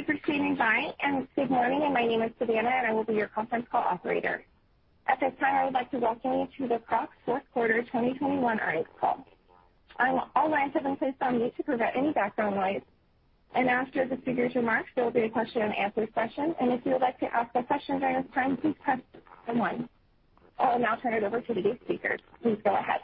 Thank you for standing by, and good morning. My name is Savannah, and I will be your conference call operator. At this time, I would like to welcome you to the Crocs fourth quarter 2021 earnings call. All lines have been placed on mute to prevent any background noise. After the speakers' remarks, there will be a question and answer session, and if you would like to ask a question during this time, please press one one. I will now turn it over to today's speakers. Please go ahead.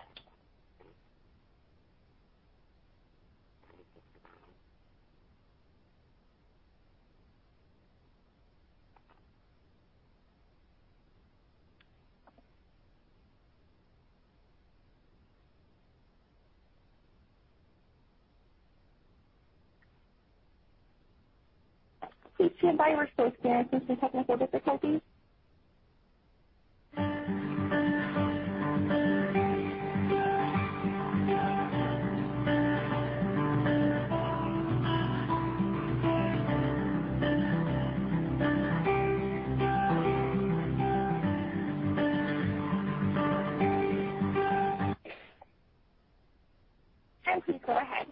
Please go ahead.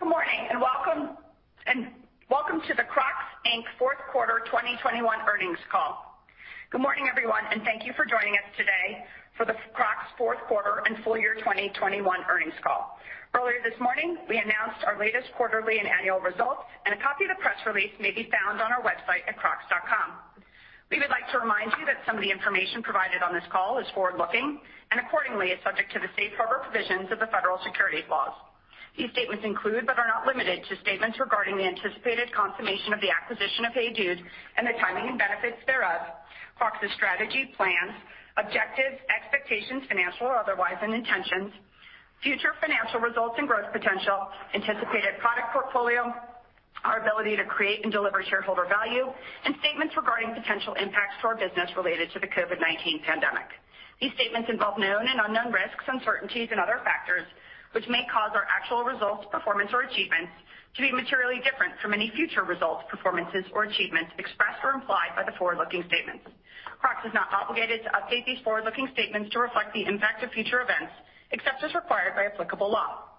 Good morning, and welcome to the Crocs, Inc. Fourth Quarter 2021 Earnings Call. Good morning, everyone, and thank you for joining us today for the Crocs fourth quarter and full-year 2021 earnings call. Earlier this morning, we announced our latest quarterly and annual results, and a copy of the press release may be found on our website at crocs.com. We would like to remind you that some of the information provided on this call is forward-looking and accordingly is subject to the safe harbor provisions of the federal securities laws. These statements include, but are not limited to, statements regarding the anticipated consummation of the acquisition of HEYDUDE and the timing and benefits thereof, Crocs' strategy, plans, objectives, expectations, financial or otherwise, and intentions, future financial results and growth potential, anticipated product portfolio, our ability to create and deliver shareholder value, and statements regarding potential impacts to our business related to the COVID-19 pandemic. These statements involve known and unknown risks, uncertainties and other factors which may cause our actual results, performance or achievements to be materially different from any future results, performances or achievements expressed or implied by the forward-looking statements. Crocs is not obligated to update these forward-looking statements to reflect the impact of future events, except as required by applicable law.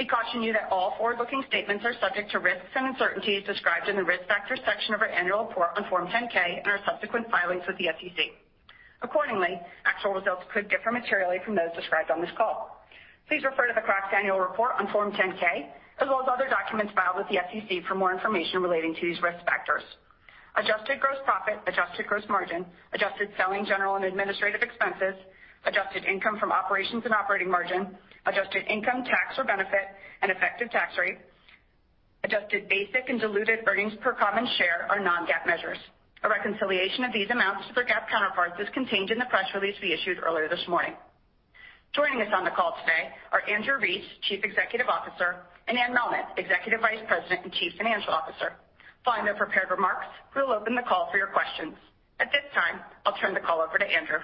We caution you that all forward-looking statements are subject to risks and uncertainties described in the Risk Factors section of our annual report on Form 10-K and our subsequent filings with the SEC. Accordingly, actual results could differ materially from those described on this call. Please refer to the Crocs annual report on Form 10-K as well as other documents filed with the SEC for more information relating to these risk factors. Adjusted gross profit, adjusted gross margin, adjusted selling general and administrative expenses, adjusted income from operations and operating margin, adjusted income tax or benefit and effective tax rate, adjusted basic and diluted earnings per common share are non-GAAP measures. A reconciliation of these amounts to their GAAP counterparts is contained in the press release we issued earlier this morning. Joining us on the call today are Andrew Rees, Chief Executive Officer, and Anne Mehlman, Executive Vice President and Chief Financial Officer. Following their prepared remarks, we will open the call for your questions. At this time, I'll turn the call over to Andrew.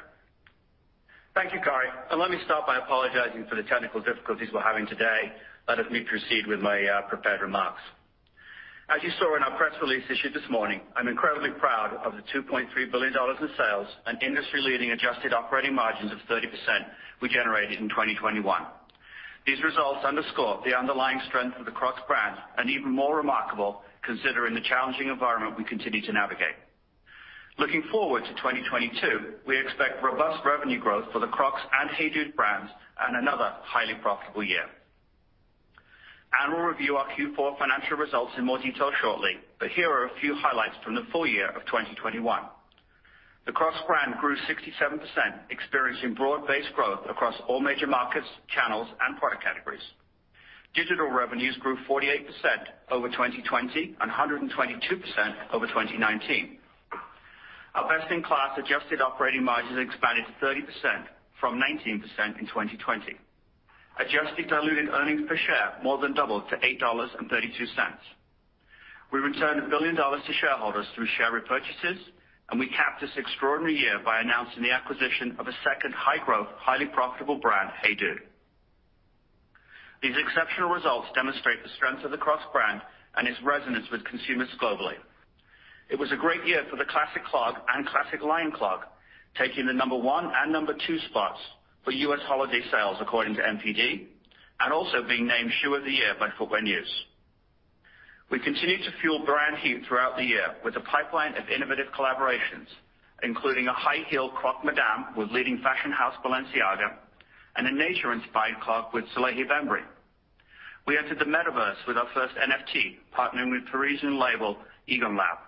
Thank you, Cori. Let me start by apologizing for the technical difficulties we're having today. Let me proceed with my prepared remarks. As you saw in our press release issued this morning, I'm incredibly proud of the $2.3 billion in sales and industry-leading adjusted operating margins of 30% we generated in 2021. These results underscore the underlying strength of the Crocs brand and even more remarkable considering the challenging environment we continue to navigate. Looking forward to 2022, we expect robust revenue growth for the Crocs and HEYDUDE brands and another highly profitable year. Anne will review our Q4 financial results in more detail shortly, but here are a few highlights from the full-year of 2021. The Crocs brand grew 67%, experiencing broad-based growth across all major markets, channels and product categories. Digital revenues grew 48% over 2020 and 122% over 2019. Our best-in-class adjusted operating margins expanded to 30% from 19% in 2020. Adjusted diluted earnings per share more than doubled to $8.32. We returned $1 billion to shareholders through share repurchases, and we capped this extraordinary year by announcing the acquisition of a second high-growth, highly profitable brand, HEYDUDE. These exceptional results demonstrate the strength of the Crocs brand and its resonance with consumers globally. It was a great year for the Classic Clog and Classic Lined Clog, taking the number one and number two spots for US holiday sales according to NPD, and also being named Shoe of the Year by Footwear News. We continued to fuel brand heat throughout the year with a pipeline of innovative collaborations, including a high-heel Crocs Madame with leading fashion house Balenciaga and a nature-inspired clog with Salehe Bembury. We entered the Metaverse with our first NFT, partnering with Parisian label Egonlab.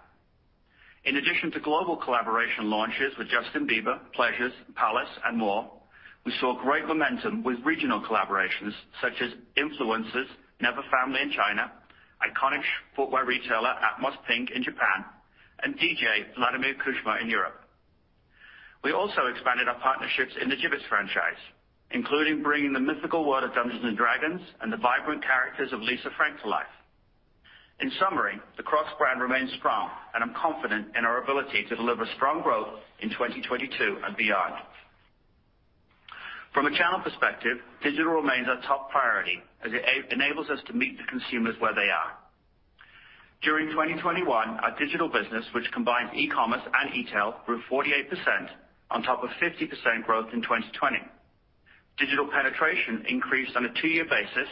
In addition to global collaboration launches with Justin Bieber, Pleasures, Palace, and more, we saw great momentum with regional collaborations such as influencers Never Family in China, iconic footwear retailer Atmos Pink in Japan, and DJ Vladimir Cauchemar in Europe. We also expanded our partnerships in the Jibbitz franchise, including bringing the mythical world of Dungeons and Dragons and the vibrant characters of Lisa Frank to life. In summary, the Crocs brand remains strong, and I'm confident in our ability to deliver strong growth in 2022 and beyond. From a channel perspective, digital remains our top priority as it enables us to meet the consumers where they are. During 2021, our digital business, which combines e-commerce and e-tail, grew 48% on top of 50% growth in 2020. Digital penetration increased on a two year basis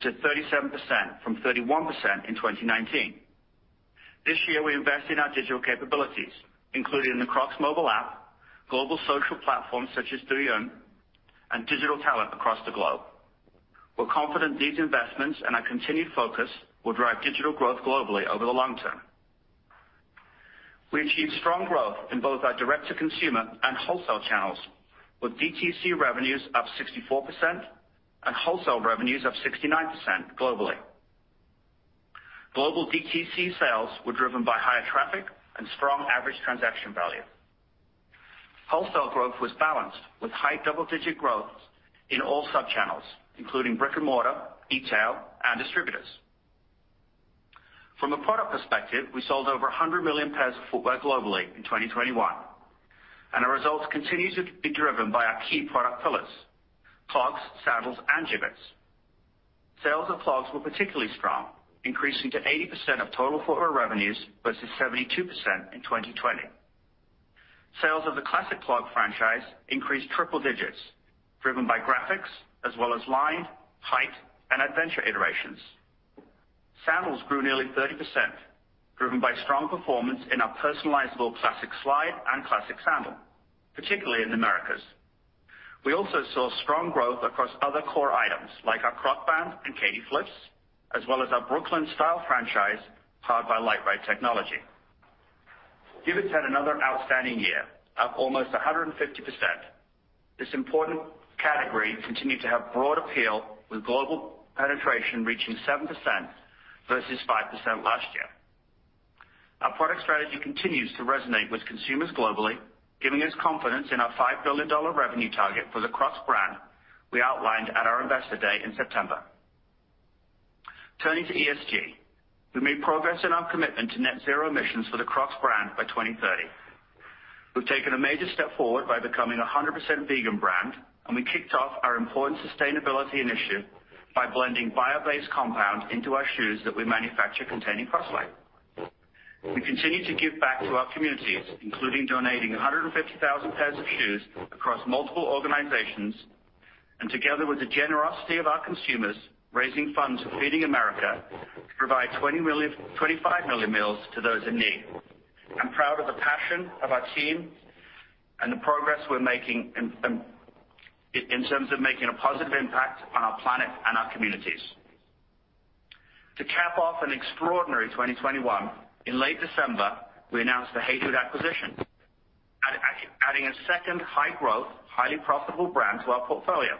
to 37% from 31% in 2019. This year we invest in our digital capabilities, including the Crocs mobile app, global social platforms such as Douyin, and digital talent across the globe. We're confident these investments and our continued focus will drive digital growth globally over the long term. We achieved strong growth in both our direct-to-consumer and wholesale channels, with DTC revenues up 64% and wholesale revenues up 69% globally. Global DTC sales were driven by higher traffic and strong average transaction value. Wholesale growth was balanced with high double-digit growth in all sub-channels, including brick and mortar, e-tail, and distributors. From a product perspective, we sold over 100 million pairs of footwear globally in 2021, and our results continue to be driven by our key product pillars, clogs, sandals, and Jibbitz. Sales of clogs were particularly strong, increasing to 80% of total footwear revenues versus 72% in 2020. Sales of the Classic Clog franchise increased triple digits, driven by graphics as well as lined, height, and adventure iterations. Sandals grew nearly 30%, driven by strong performance in our personalizable Classic Slide and Classic Sandal, particularly in Americas. We also saw strong growth across other core items like our Crocband and Kadee Flips, as well as our Brooklyn style franchise, powered by lightweight technology. Jibbitz had another outstanding year, up almost 150%. This important category continued to have broad appeal, with global penetration reaching 7% versus 5% last year. Our product strategy continues to resonate with consumers globally, giving us confidence in our $5 billion revenue target for the Crocs brand we outlined at our Investor Day in September. Turning to ESG. We made progress in our commitment to net zero emissions for the Crocs brand by 2030. We've taken a major step forward by becoming a 100% vegan brand, and we kicked off our important sustainability initiative by blending bio-based compounds into our shoes that we manufacture containing Croslite. We continue to give back to our communities, including donating 150,000 pairs of shoes across multiple organizations, and together with the generosity of our consumers, raising funds for Feeding America to provide 25 million meals to those in need. I'm proud of the passion of our team and the progress we're making in terms of making a positive impact on our planet and our communities. To cap off an extraordinary 2021, in late December, we announced the HEYDUDE acquisition, adding a second high-growth, highly profitable brand to our portfolio.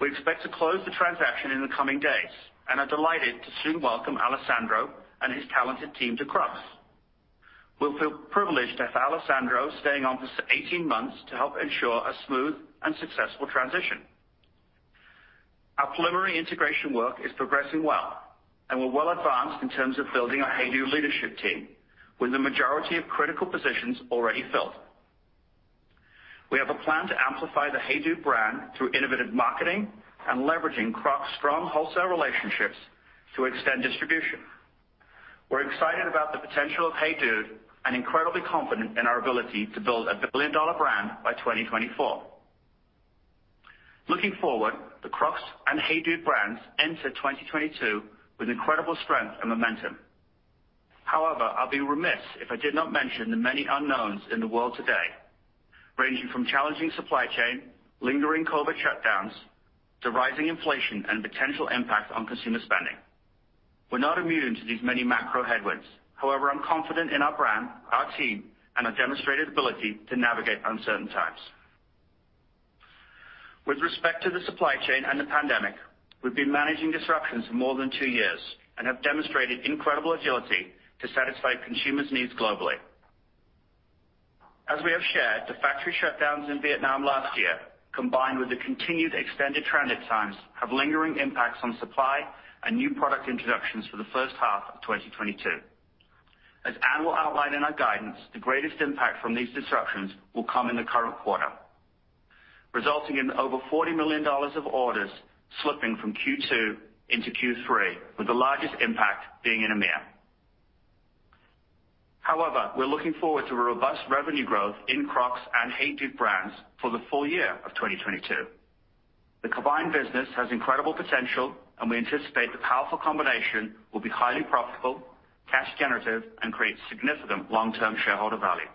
We expect to close the transaction in the coming days and are delighted to soon welcome Alessandro and his talented team to Crocs. We feel privileged to have Alessandro staying on for 18 months to help ensure a smooth and successful transition. Our preliminary integration work is progressing well, and we're well advanced in terms of building our HEYDUDE leadership team with the majority of critical positions already filled. We have a plan to amplify the HEYDUDE brand through innovative marketing and leveraging Crocs' strong wholesale relationships to extend distribution. We're excited about the potential of HEYDUDE and incredibly confident in our ability to build a billion-dollar brand by 2024. Looking forward, the Crocs and HEYDUDE brands enter 2022 with incredible strength and momentum. However, I'll be remiss if I did not mention the many unknowns in the world today, ranging from challenging supply chain, lingering COVID shutdowns to rising inflation and potential impact on consumer spending. We're not immune to these many macro headwinds. However, I'm confident in our brand, our team, and our demonstrated ability to navigate uncertain times. With respect to the supply chain and the pandemic, we've been managing disruptions for more than two years and have demonstrated incredible agility to satisfy consumers' needs globally. As we have shared, the factory shutdowns in Vietnam last year, combined with the continued extended transit times, have lingering impacts on supply and new product introductions for the first half of 2022. As Anne will outline in our guidance, the greatest impact from these disruptions will come in the current quarter, resulting in over $40 million of orders slipping from Q2 into Q3, with the largest impact being in EMEA. However, we're looking forward to a robust revenue growth in Crocs and HEYDUDE brands for the full-year of 2022. The combined business has incredible potential, and we anticipate the powerful combination will be highly profitable, cash generative, and create significant long-term shareholder value.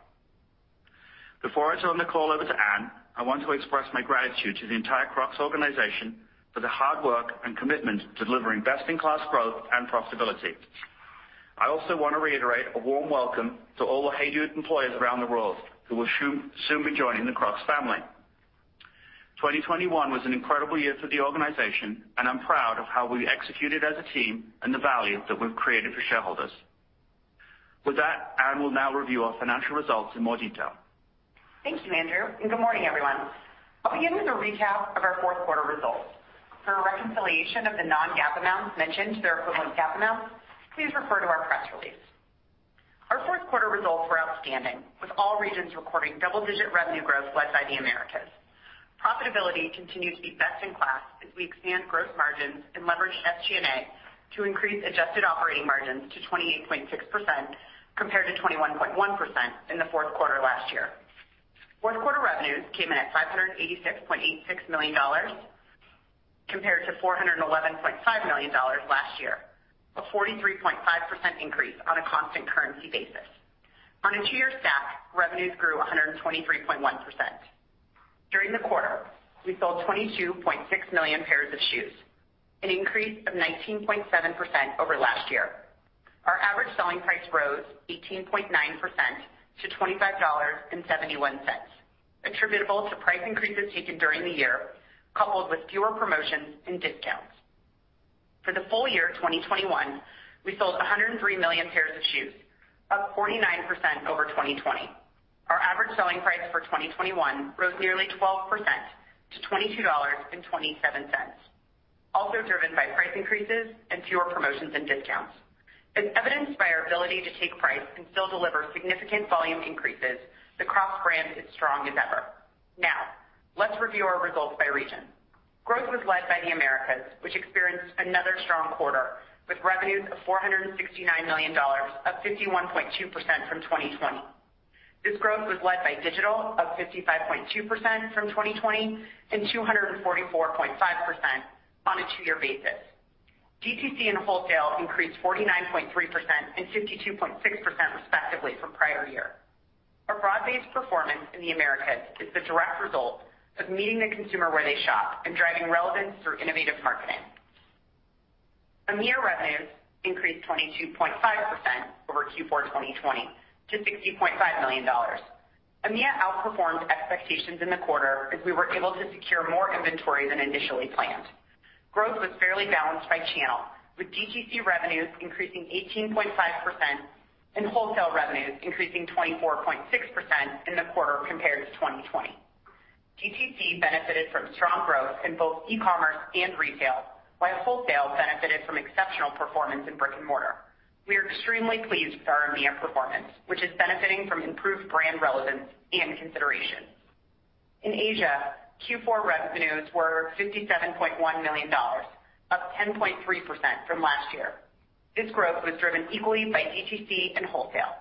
Before I turn the call over to Anne, I want to express my gratitude to the entire Crocs organization for the hard work and commitment to delivering best-in-class growth and profitability. I also wanna reiterate a warm welcome to all the HEYDUDE employees around the world who will soon be joining the Crocs family. 2021 was an incredible year for the organization, and I'm proud of how we executed as a team and the value that we've created for shareholders. With that, Anne will now review our financial results in more detail. Thank you, Andrew, and good morning, everyone. I'll begin with a recap of our fourth quarter results. For a reconciliation of the non-GAAP amounts mentioned to their equivalent GAAP amounts, please refer to our press release. Fourth quarter results were outstanding, with all regions recording double-digit revenue growth led by the Americas. Profitability continued to be best in class as we expand gross margins and leverage SG&A to increase adjusted operating margins to 28.6% compared to 21.1% in the fourth quarter last year. Fourth quarter revenues came in at $586.86 million compared to $411.5 million last year, a 43.5% increase on a constant currency basis. On a two year stack, revenues grew 123.1%. During the quarter, we sold 22.6 million pairs of shoes, an increase of 19.7% over last year. Our average selling price rose 18.9% to $25.71, attributable to price increases taken during the year, coupled with fewer promotions and discounts. For the full-year 2021, we sold 103 million pairs of shoes, up 49% over 2020. Our average selling price for 2021 rose nearly 12% to $22.27, also driven by price increases and fewer promotions and discounts. As evidenced by our ability to take price and still deliver significant volume increases, the Crocs brand is strong as ever. Now let's review our results by region. Growth was led by the Americas, which experienced another strong quarter with revenues of $469 million, up 51.2% from 2020. This growth was led by digital, up 55.2% from 2020 and 244.5% on a two year basis. DTC and wholesale increased 49.3% and 52.6% respectively from prior year. Our broad-based performance in the Americas is the direct result of meeting the consumer where they shop and driving relevance through innovative marketing. EMEA revenues increased 22.5% over Q4 2020 to $60.5 million. EMEA outperformed expectations in the quarter as we were able to secure more inventory than initially planned. Growth was fairly balanced by channel, with DTC revenues increasing 18.5% and wholesale revenues increasing 24.6% in the quarter compared to 2020. DTC benefited from strong growth in both e-commerce and retail, while wholesale benefited from exceptional performance in brick and mortar. We are extremely pleased with our EMEA performance, which is benefiting from improved brand relevance and consideration. In Asia, Q4 revenues were $57.1 million, up 10.3% from last year. This growth was driven equally by DTC and wholesale.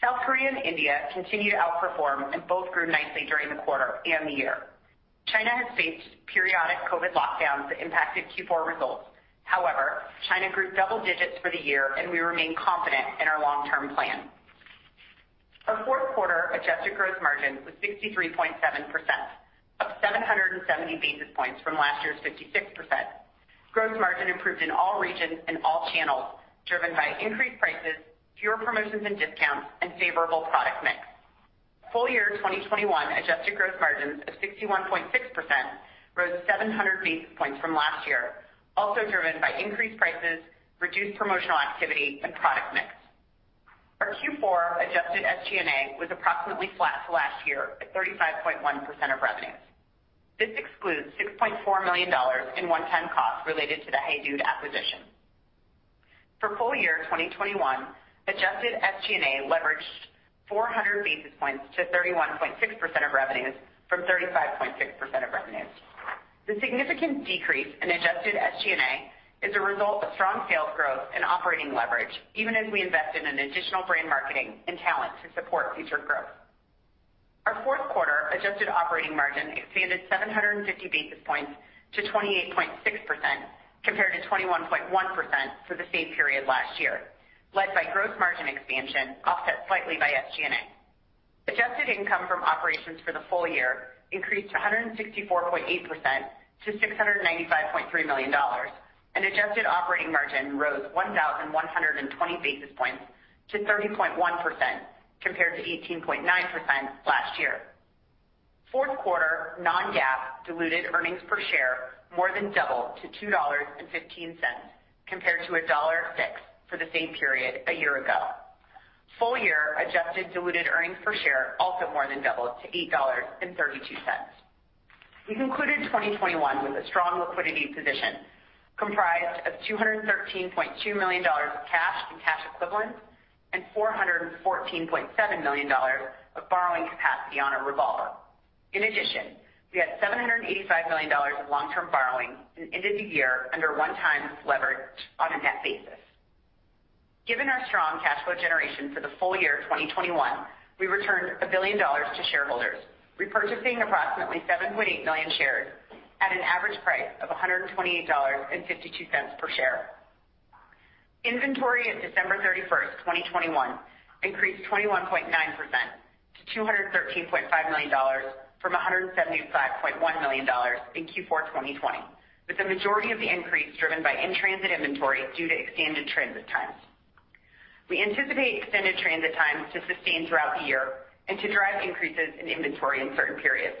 South Korea and India continue to outperform and both grew nicely during the quarter and the year. China has faced periodic COVID lockdowns that impacted Q4 results. However, China grew double digits for the year, and we remain confident in our long-term plan. Our Q4 adjusted gross margin was 63.7%, up 770 basis points from last year's 56%. Gross margin improved in all regions and all channels, driven by increased prices, fewer promotions and discounts, and favorable product mix. Full-year 2021 adjusted gross margins of 61.6% rose 700 basis points from last year, also driven by increased prices, reduced promotional activity, and product mix. Our Q4 adjusted SG&A was approximately flat to last year at 35.1% of revenues. This excludes $6.4 million in one-time costs related to the HEYDUDE acquisition. For full-year 2021, adjusted SG&A leveraged 400 basis points to 31.6% of revenues from 35.6% of revenues. The significant decrease in adjusted SG&A is a result of strong sales growth and operating leverage, even as we invested in additional brand marketing and talent to support future growth. Our fourth quarter adjusted operating margin expanded 750 basis points to 28.6% compared to 21.1% for the same period last year, led by gross margin expansion, offset slightly by SG&A. Adjusted income from operations for the full-year increased 164.8% to $695.3 million, and adjusted operating margin rose 1,120 basis points to 30.1% compared to 18.9% last year. Fourth quarter non-GAAP diluted earnings per share more than doubled to $2.15 compared to $1.06 for the same period a year ago. Full-year adjusted diluted earnings per share also more than doubled to $8.32. We concluded 2021 with a strong liquidity position comprised of $213.2 million of cash and cash equivalents and $414.7 million of borrowing capacity on our revolver. In addition, we had $785 million of long-term borrowing and ended the year under 1x leverage on a net basis. Given our strong cash flow generation for the full-year 2021, we returned $1 billion to shareholders, repurchasing approximately 7.8 million shares at an average price of $128.52 per share. Inventory at December 31st, 2021 increased 21.9% to $213.5 million from $175.1 million in Q4 2020, with the majority of the increase driven by in-transit inventory due to extended transit times. We anticipate extended transit times to sustain throughout the year and to drive increases in inventory in certain periods.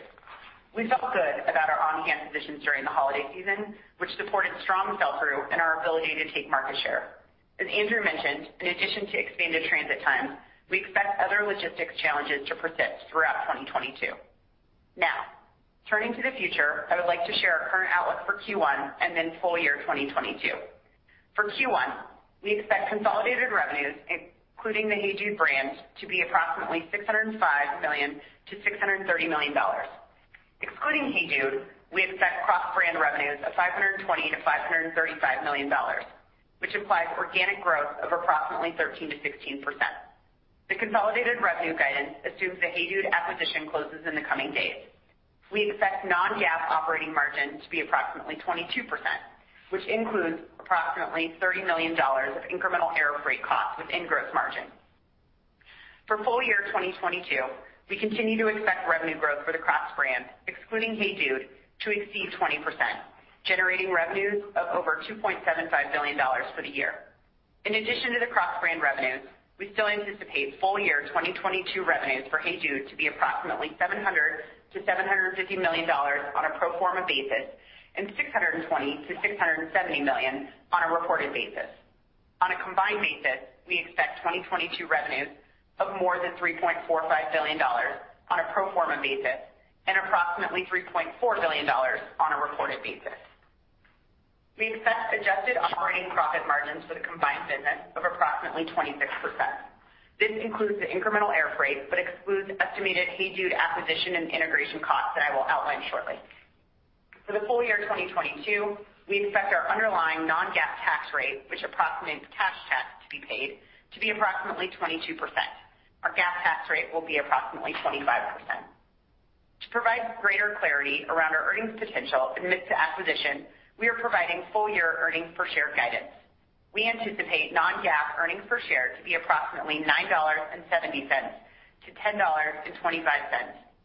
We felt good about our on-hand positions during the holiday season, which supported strong sell through and our ability to take market share. As Andrew mentioned, in addition to extended transit times, we expect other logistics challenges to persist throughout 2022. Now turning to the future, I would like to share our current outlook for Q1 and then full-year 2022. For Q1, we expect consolidated revenues, including the HEYDUDE brand, to be approximately $605 million-$630 million. Excluding HEYDUDE, we expect Crocs brand revenues of $520 million-$535 million, which implies organic growth of approximately 13%-16%. The consolidated revenue guidance assumes the HEYDUDE acquisition closes in the coming days. We expect non-GAAP operating margin to be approximately 22%, which includes approximately $30 million of incremental air freight costs within gross margin. For full-year 2022, we continue to expect revenue growth for the Crocs brand, excluding HEYDUDE, to exceed 20%, generating revenues of over $2.75 billion for the year. In addition to the Crocs brand revenues, we still anticipate full-year 2022 revenues for HEYDUDE to be approximately $700 million-$750 million on a pro forma basis, and $620 million-$670 million on a reported basis. On a combined basis, we expect 2022 revenues of more than $3.45 billion on a pro forma basis and approximately $3.4 billion on a reported basis. We expect adjusted operating profit margins for the combined business of approximately 26%. This includes the incremental air freight, but excludes estimated HEYDUDE acquisition and integration costs that I will outline shortly. For the full-year 2022, we expect our underlying non-GAAP tax rate, which approximates cash tax to be paid to be approximately 22%. Our GAAP tax rate will be approximately 25%. To provide greater clarity around our earnings potential amidst the acquisition, we are providing full-year earnings per share guidance. We anticipate non-GAAP earnings per share to be approximately $9.70-$10.25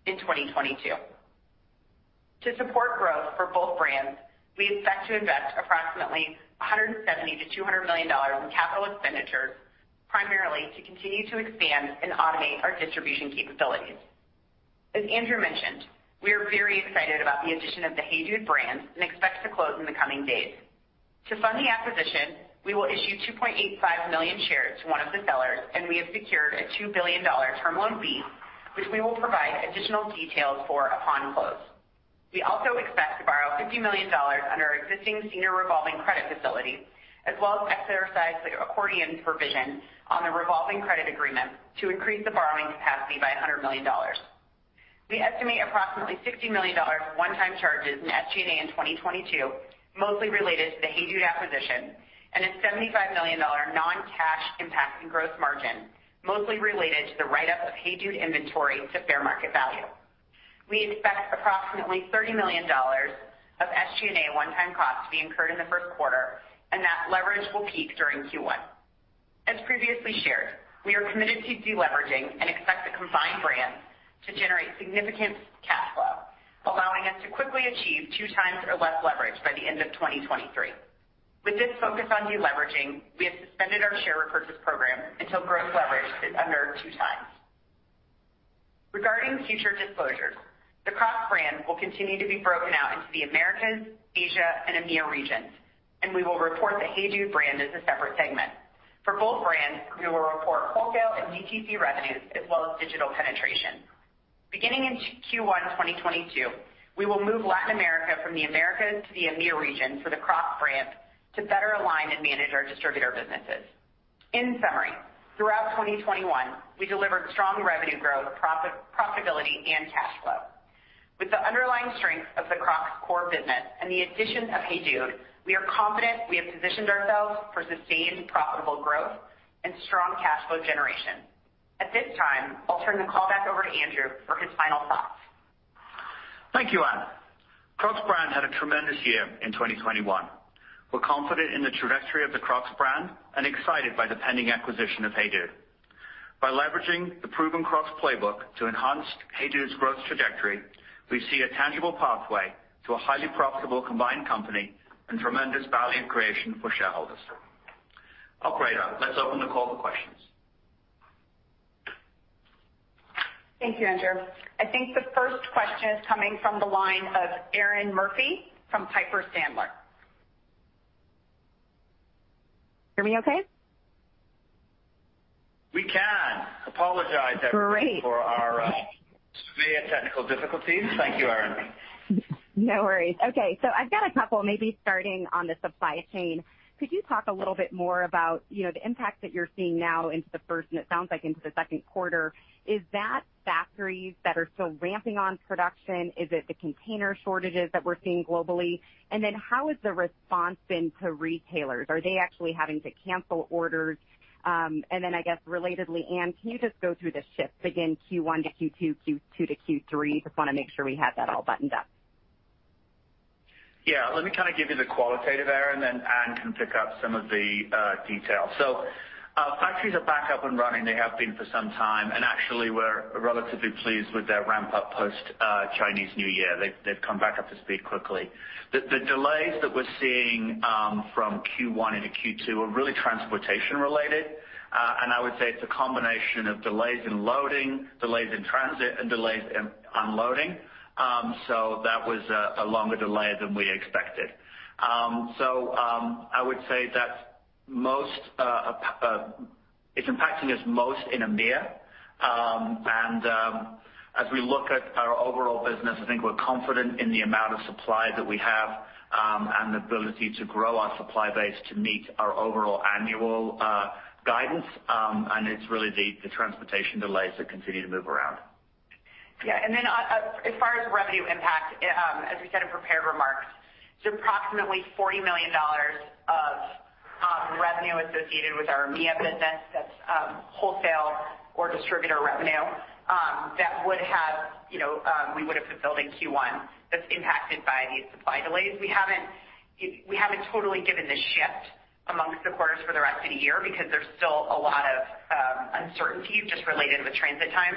in 2022. To support growth for both brands, we expect to invest approximately $170 million-$200 million in capital expenditures, primarily to continue to expand and automate our distribution capabilities. As Andrew mentioned, we are very excited about the addition of the HEYDUDE brand and expect to close in the coming days. To fund the acquisition, we will issue 2.85 million shares to one of the sellers, and we have secured a $2 billion Term Loan B, which we will provide additional details for upon close. We also expect to borrow $50 million under our existing senior revolving credit facility, as well as exercise the accordion provision on the revolving credit agreement to increase the borrowing capacity by $100 million. We estimate approximately $60 million one-time charges in SG&A in 2022, mostly related to the HEYDUDE acquisition, and a $75 million non-cash impact in gross margin, mostly related to the write-up of HEYDUDE inventory to fair market value. We expect approximately $30 million of SG&A one-time cost to be incurred in the first quarter, and that leverage will peak during Q1. As previously shared, we are committed to deleveraging and expect the combined brands to generate significant cash flow, allowing us to quickly achieve 2x or less leverage by the end of 2023. With this focus on deleveraging, we have suspended our share repurchase program until gross leverage is under two times. Regarding future disclosures, the Crocs brand will continue to be broken out into the Americas, Asia and EMEIA regions, and we will report the HEYDUDE brand as a separate segment. For both brands, we will report wholesale and DTC revenues as well as digital penetration. Beginning in Q1 2022, we will move Latin America from the Americas to the EMEIA region for the Crocs brand to better align and manage our distributor businesses. In summary, throughout 2021, we delivered strong revenue growth, profitability, and cash flow. With the underlying strength of the Crocs core business and the addition of HEYDUDE, we are confident we have positioned ourselves for sustained profitable growth and strong cash flow generation. At this time, I'll turn the call back over to Andrew for his final thoughts. Thank you, Anne. Crocs brand had a tremendous year in 2021. We're confident in the trajectory of the Crocs brand and excited by the pending acquisition of HEYDUDE. By leveraging the proven Crocs playbook to enhance HEYDUDE's growth trajectory, we see a tangible pathway to a highly profitable combined company and tremendous value creation for shareholders. Operator, let's open the call for questions. Thank you, Andrew. I think the first question is coming from the line of Erinn Murphy from Piper Sandler. Hear me okay? We can apologize, everyone. Great. for our survey of technical difficulties. Thank you, Erinn. No worries. Okay. I've got a couple maybe starting on the supply chain. Could you talk a little bit more about, you know, the impact that you're seeing now into the first and it sounds like into the second quarter. Is that factories that are still ramping on production? Is it the container shortages that we're seeing globally? And then how has the response been to retailers? Are they actually having to cancel orders? And then I guess relatedly, Anne, can you just go through the shifts again, Q1 to Q2 to Q3? Just wanna make sure we have that all buttoned up. Yeah. Let me kind of give you the qualitative, Erinn, then Anne can pick up some of the details. Factories are back up and running. They have been for some time, and actually we're relatively pleased with their ramp-up post Chinese New Year. They've come back up to speed quickly. The delays that we're seeing from Q1 into Q2 are really transportation related. I would say it's a combination of delays in loading, delays in transit and delays in unloading. That was a longer delay than we expected. I would say that most, it's impacting us most in EMEA. As we look at our overall business, I think we're confident in the amount of supply that we have, and the ability to grow our supply base to meet our overall annual guidance. It's really the transportation delays that continue to move around. Yeah. As far as revenue impact, as we said in prepared remarks, it's approximately $40 million of revenue associated with our EMEA business. That's wholesale or distributor revenue that would have, you know, we would have fulfilled in Q1 that's impacted by these supply delays. We haven't totally given the shift among the quarters for the rest of the year because there's still a lot of uncertainty just related with transit time.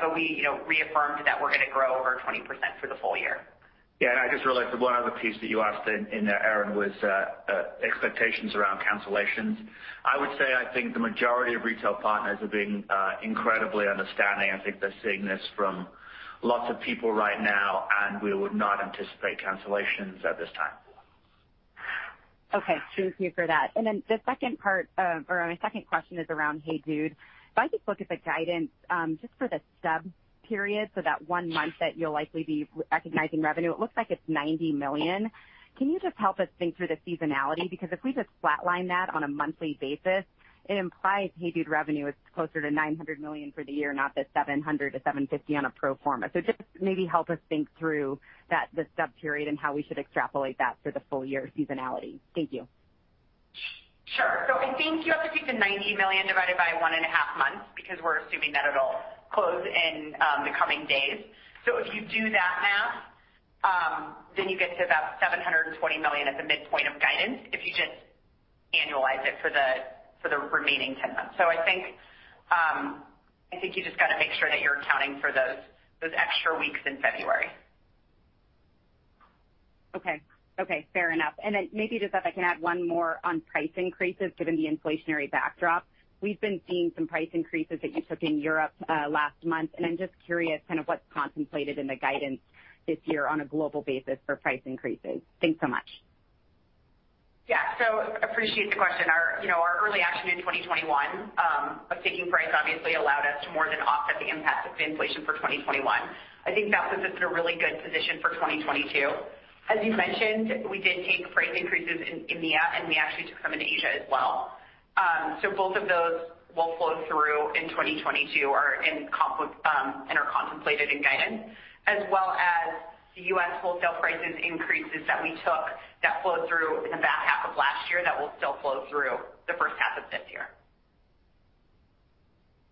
So we, you know, reaffirmed that we're gonna grow over 20% for the full-year. I just realized that one other piece that you asked in there, Erinn, was expectations around cancellations. I would say I think the majority of retail partners have been incredibly understanding. I think they're seeing this from lots of people right now, and we would not anticipate cancellations at this time. Okay. Thank you for that. My second question is around HEYDUDE. If I just look at the guidance, just for the stub period, so that one month that you'll likely be recognizing revenue, it looks like it's $90 million. Can you just help us think through the seasonality? Because if we just flatline that on a monthly basis, it implies HEYDUDE revenue is closer to $900 million for the year, not the $700 million-$750 million on a pro forma. Just maybe help us think through that, the stub period, and how we should extrapolate that for the full-year seasonality. Thank you. Sure. I think you have to take the $90 million divided by one and a half months because we're assuming that it'll close in the coming days. If you do that math, then you get to about $720 million at the midpoint of guidance if you just annualize it for the remaining 10 months. I think you just gotta make sure that you're accounting for those extra weeks in February. Okay. Okay, fair enough. Maybe just if I can add one more on price increases given the inflationary backdrop. We've been seeing some price increases that you took in Europe last month, and I'm just curious kind of what's contemplated in the guidance this year on a global basis for price increases. Thanks so much. Yeah. Appreciate the question. Our, you know, early action in 2021 of taking price obviously allowed us to more than offset the impact of inflation for 2021. I think that puts us in a really good position for 2022. As you mentioned, we did take price increases in EMEA, and we actually took some in Asia as well. Both of those will flow through in 2022 and are contemplated in guidance, as well as the US wholesale price increases that we took that flowed through in the back half of last year that will still flow through the first half of this year.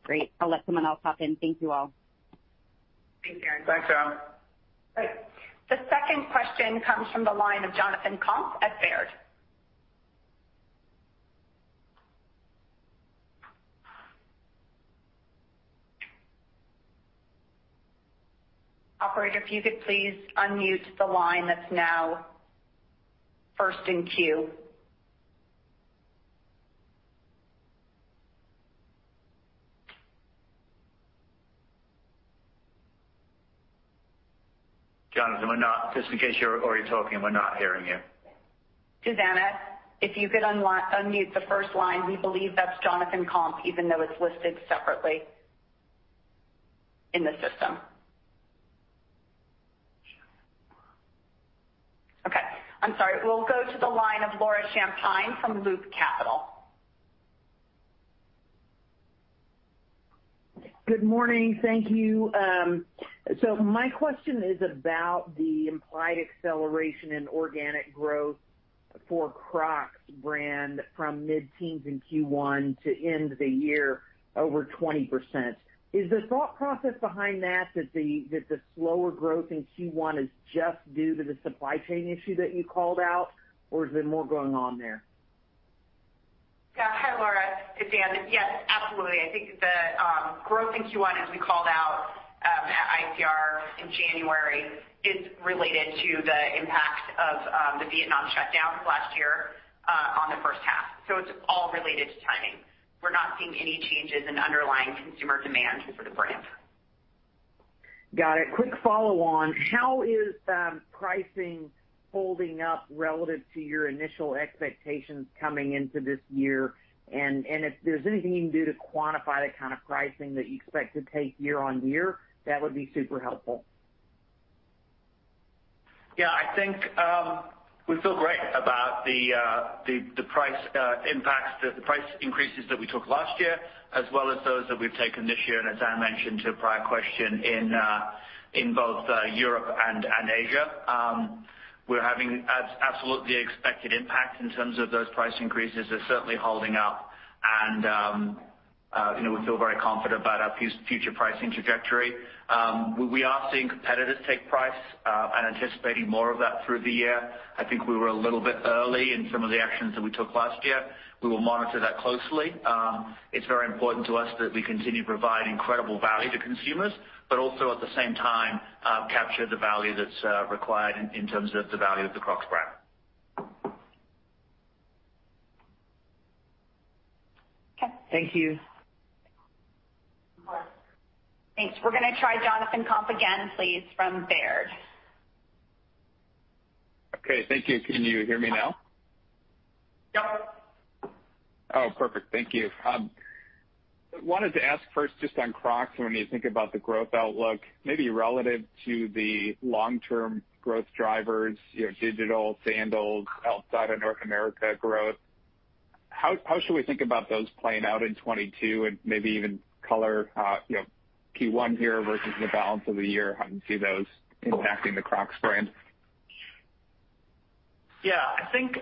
Great. I'll let someone else hop in. Thank you all. Thanks, Erinn. Thanks, Erinn. The second question comes from the line of Jonathan Komp at Baird. Operator, if you could please unmute the line that's now first in queue. Jonathan, just in case you're already talking, we're not hearing you. Susannah, if you could unmute the first line. We believe that's Jonathan Komp even though it's listed separately in the system. Okay. I'm sorry. We'll go to the line of Laura Champine from Loop Capital. Good morning. Thank you. My question is about the implied acceleration in organic growth for Crocs brand from mid-teens in Q1 to end of the year over 20%. Is the thought process behind that the slower growth in Q1 is just due to the supply chain issue that you called out, or is there more going on there? Yeah. Hi, Laura. It's Anne. Yes, absolutely. I think the growth in Q1, as we called out at ICR in January, is related to the impact of the Vietnam shutdowns last year on the first half. It's all related to timing. We're not seeing any changes in underlying consumer demand for the brand. Got it. Quick follow-on. How is pricing holding up relative to your initial expectations coming into this year? If there's anything you can do to quantify the kind of pricing that you expect to take year-on-year, that would be super helpful. I think we feel great about the price impacts, the price increases that we took last year as well as those that we've taken this year and as Anne mentioned to a prior question in both Europe and Asia. We're having absolutely expected impact in terms of those price increases. They're certainly holding up. You know, we feel very confident about our future pricing trajectory. We are seeing competitors take price and anticipating more of that through the year. I think we were a little bit early in some of the actions that we took last year. We will monitor that closely. It's very important to us that we continue to provide incredible value to consumers, but also at the same time, capture the value that's required in terms of the value of the Crocs brand. Okay. Thank you. Thanks. We're gonna try Jonathan Komp again, please, from Baird. Okay, thank you. Can you hear me now? Yeah. Oh, perfect. Thank you. Wanted to ask first just on Crocs. When you think about the growth outlook, maybe relative to the long-term growth drivers, you know, digital, sandals, outside of North America growth. How should we think about those playing out in 2022 and maybe even color, you know, Q1 here versus the balance of the year? How do you see those impacting the Crocs brand? Yeah. I think,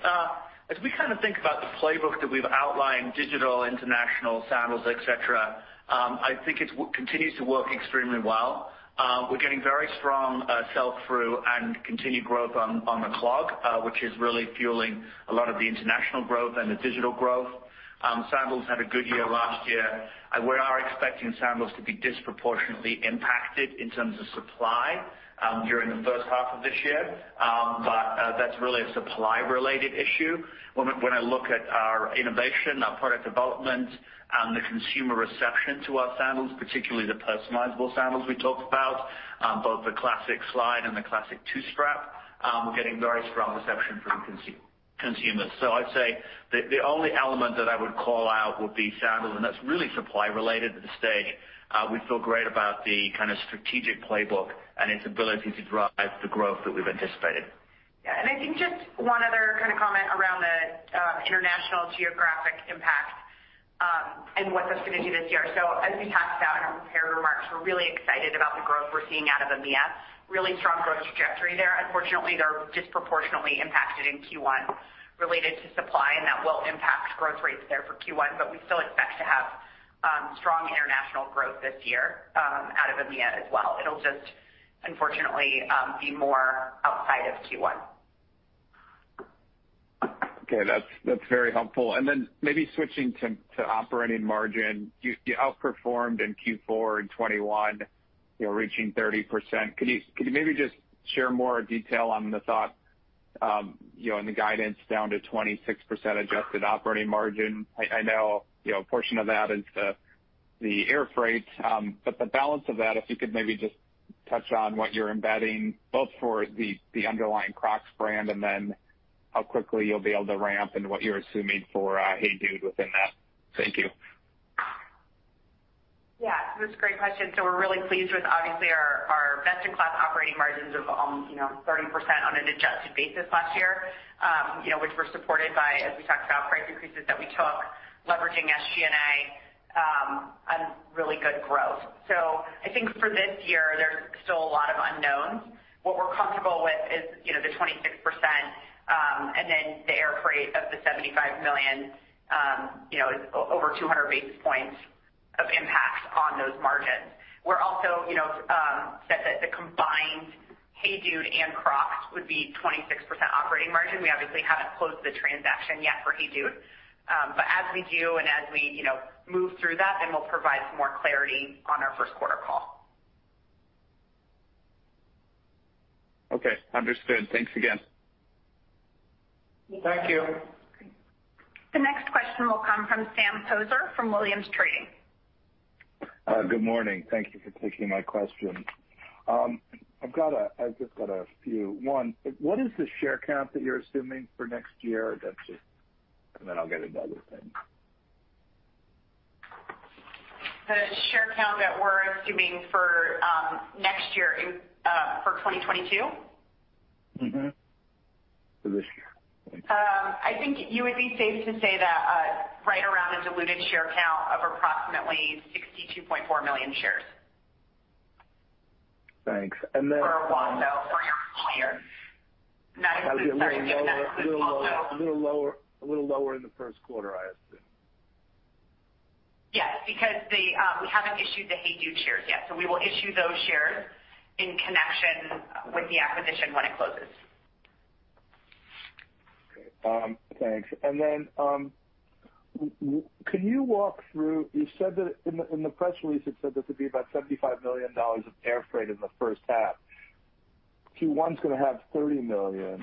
as we kind of think about the playbook that we've outlined, digital, international, sandals, et cetera, I think it continues to work extremely well. We're getting very strong sell through and continued growth on the clog, which is really fueling a lot of the international growth and the digital growth. Sandals had a good year last year. We are expecting sandals to be disproportionately impacted in terms of supply during the first half of this year. That's really a supply related issue. When I look at our innovation, our product development, the consumer reception to our sandals, particularly the personalizable sandals we talked about, both the Classic Slide and the Classic Two-Strap Sandal, we're getting very strong reception from consumers. I'd say the only element that I would call out would be sandals, and that's really supply related at this stage. We feel great about the kind of strategic playbook and its ability to drive the growth that we've anticipated. Yeah. I think just one other kind of comment around the international geographic impact, and what that's gonna do this year. As we talked about in our prepared remarks, we're really excited about the growth we're seeing out of EMEA. Really strong growth trajectory there. Unfortunately, they're disproportionately impacted in Q1 related to supply, and that will impact growth rates there for Q1. We still expect to have strong international growth this year, out of EMEA as well. It'll just unfortunately be more outside of Q1. Okay. That's very helpful. Maybe switching to operating margin. You outperformed in Q4 in 2021, you know, reaching 30%. Can you maybe just share more detail on the thought, you know, and the guidance down to 26% adjusted operating margin? I know, you know, a portion of that is the air freight, but the balance of that, if you could maybe just touch on what you're embedding both for the underlying Crocs brand, and then how quickly you'll be able to ramp and what you're assuming for HEYDUDE within that. Thank you. Yeah. That's a great question. We're really pleased with obviously our best in class operating margins of 30% on an adjusted basis last year, you know, which were supported by, as we talked about, price increases that we took, leveraging SG&A, and really good growth. I think for this year, there's still a lot of unknowns. What we're comfortable with is, you know, the 26%, and then the air freight of the $75 million, you know, is over 200 basis points of impact on those margins. We're also, you know, said that the combined HEYDUDE and Crocs would be 26% operating margin. We obviously haven't closed the transaction yet for HEYDUDE. As we do and, you know, move through that, then we'll provide some more clarity on our first quarter call. Okay. Understood. Thanks again. Thank you. The next question will come from Sam Poser from Williams Trading. Good morning. Thank you for taking my question. I've just got a few. One, what is the share count that you're assuming for next year? Then I'll get into other things. The share count that we're assuming for next year in 2022? For this year. Thanks. I think you would be safe to say that, right around a diluted share count of approximately 62.4 million shares. Thanks. Pro forma for your full-year. A little lower in the first quarter, I assume. Yes, because we haven't issued the HEYDUDE shares yet. We will issue those shares in connection with the acquisition when it closes. Thanks. Can you walk through? You said that in the press release, it said that there'd be about $75 million of air freight in the first half. Q1's gonna have $30 million.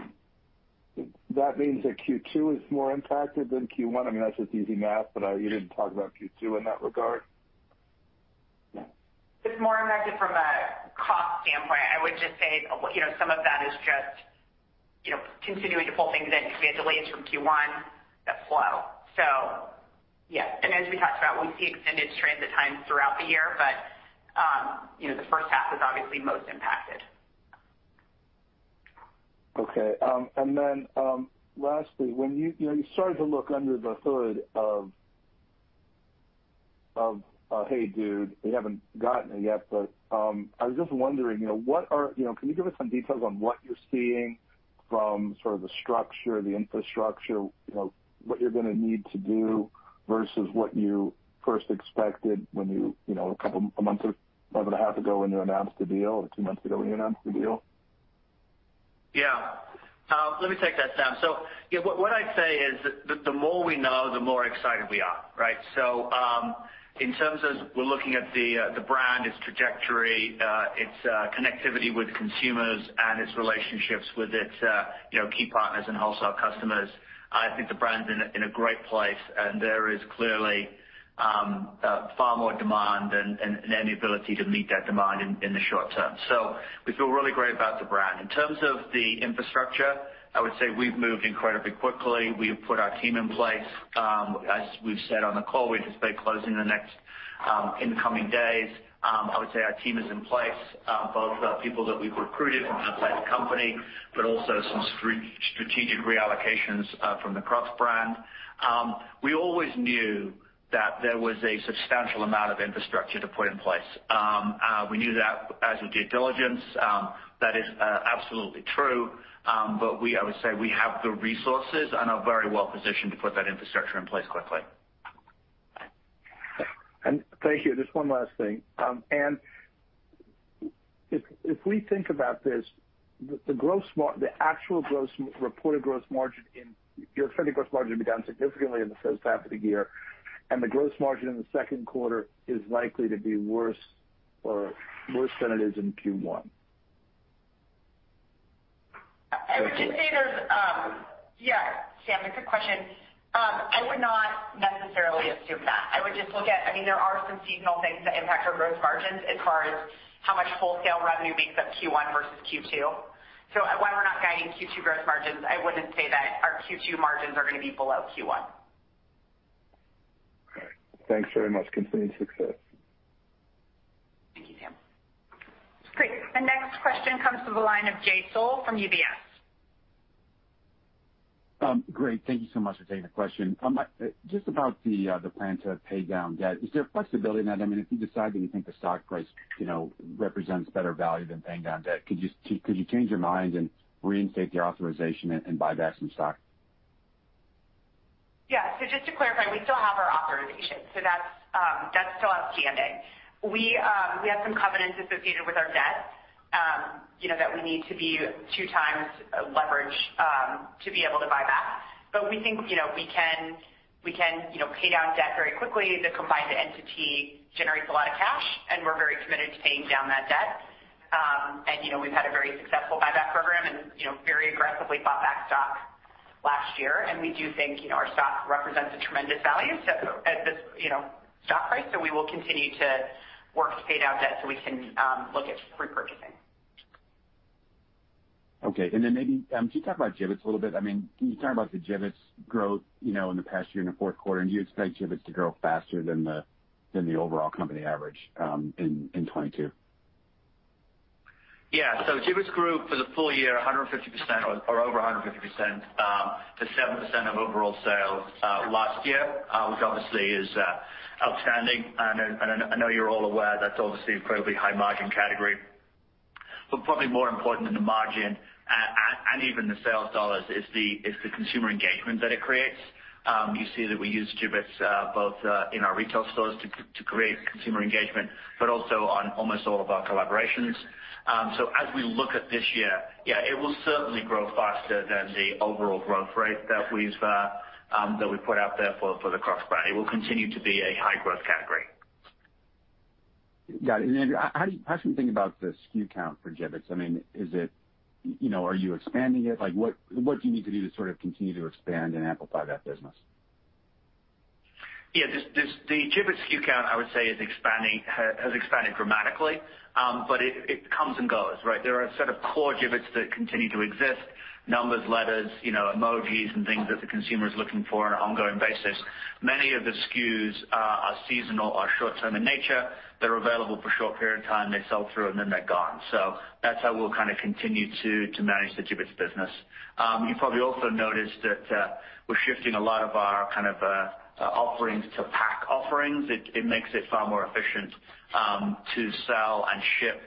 That means that Q2 is more impacted than Q1? I mean, that's just easy math, but you didn't talk about Q2 in that regard. It's more impacted from a cost standpoint. I would just say, you know, some of that is just, you know, continuing to pull things in because we had delays from Q1 that flow. Yeah. As we talked about, we see extended transit time throughout the year, but, you know, the first half is obviously most impacted. Okay, lastly, when you started to look under the hood of HEYDUDE. You haven't gotten it yet, but I was just wondering, you know, can you give us some details on what you're seeing from sort of the structure, the infrastructure, you know, what you're gonna need to do versus what you first expected when you know, a month or a month and a half ago when you announced the deal or two months ago when you announced the deal? Yeah. Let me take that, Sam. Yeah, what I'd say is the more we know, the more excited we are, right? In terms of we're looking at the brand, its trajectory, its connectivity with consumers and its relationships with its, you know, key partners and wholesale customers. I think the brand's in a great place, and there is clearly far more demand and any ability to meet that demand in the short term. We feel really great about the brand. In terms of the infrastructure, I would say we've moved incredibly quickly. We've put our team in place. As we've said on the call, we anticipate closing the next in the coming days. I would say our team is in place, both the people that we've recruited from outside the company, but also some strategic reallocations from the Crocs brand. We always knew that there was a substantial amount of infrastructure to put in place. We knew that as we did diligence, that is absolutely true. I would say we have the resources and are very well positioned to put that infrastructure in place quickly. Thank you. Just one last thing. If we think about this, the actual reported gross margin. You're expecting gross margin to be down significantly in the first half of the year, the gross margin in the second quarter is likely to be worse than it is in Q1. I would say there's. Sam, it's a good question. I would not necessarily assume that. I would just look at, I mean, there are some seasonal things that impact our gross margins as far as how much wholesale revenue makes up Q1 versus Q2. Why we're not guiding Q2 gross margins, I wouldn't say that our Q2 margins are gonna be below Q1. All right. Thanks very much. Continued success. Thank you, Sam. Great. The next question comes from the line of Jay Sole from UBS. Great. Thank you so much for taking the question. Just about the plan to pay down debt. Is there flexibility in that? I mean, if you decide that you think the stock price, you know, represents better value than paying down debt, could you change your mind and reinstate the authorization and buy back some stock? Yeah. Just to clarify, we still have our authorization, so that's still outstanding. We have some covenants associated with our debt, you know, that we need to be 2x leverage to be able to buy back. We think, you know, we can, you know, pay down debt very quickly. The combined entity generates a lot of cash, and we're very committed to paying down that debt. We've had a very successful buyback program and, you know, very aggressively bought back stock last year. We do think, you know, our stock represents a tremendous value so at this, you know, stock price. We will continue to work to pay down debt so we can look at repurchasing. Okay. Maybe could you talk about Jibbitz a little bit? I mean, can you talk about the Jibbitz growth, you know, in the past year in the fourth quarter? Do you expect Jibbitz to grow faster than the overall company average in 2022? Yeah. Jibbitz grew for the full-year 150% or over 150% to 7% of overall sales last year, which obviously is outstanding. I know you're all aware that's obviously an incredibly high margin category. Probably more important than the margin and even the sales dollars is the consumer engagement that it creates. You see that we use Jibbitz both in our retail stores to create consumer engagement, but also on almost all of our collaborations. As we look at this year, yeah, it will certainly grow faster than the overall growth rate that we put out there for the Crocs brand. It will continue to be a high growth category. Got it. How should we think about the SKU count for Jibbitz? I mean, is it? You know, are you expanding it? Like, what do you need to do to sort of continue to expand and amplify that business? Yeah. The Jibbitz SKU count, I would say, has expanded dramatically. It comes and goes, right? There are sort of core Jibbitz that continue to exist, numbers, letters, you know, emojis and things that the consumer is looking for on an ongoing basis. Many of the SKUs are seasonal or short term in nature. They're available for a short period of time. They sell through, and then they're gone. That's how we'll kind of continue to manage the Jibbitz business. You probably also noticed that we're shifting a lot of our kind of offerings to pack offerings. It makes it far more efficient to sell and ship